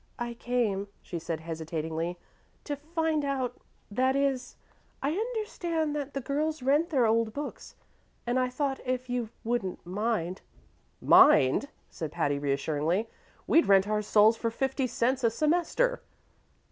"I came," she said hesitatingly, "to find out that is, I understand that the girls rent their old books, and I thought, if you wouldn't mind " "Mind!" said Patty, reassuringly. "We'd rent our souls for fifty cents a semester."